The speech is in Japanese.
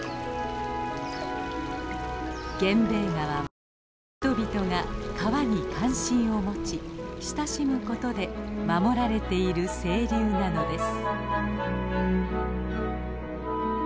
源兵衛川は人々が川に関心を持ち親しむことで守られている清流なのです。